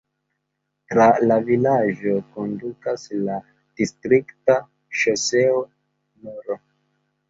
Tra la vilaĝo kondukas la distrikta ŝoseo nr.